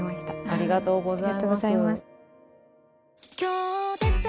ありがとうございます。